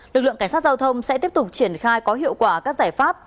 lực lượng cảnh sát giao thông sẽ tiếp tục triển khai có hiệu quả các giải pháp